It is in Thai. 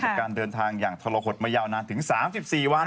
การเดินทางอย่างทรหดมายาวนานถึง๓๔วัน